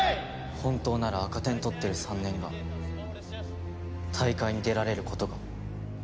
本当なら赤点取ってる３年が大会に出られる事が。